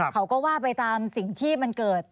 เขาก็ว่าไปตามสิ่งที่มันเกิด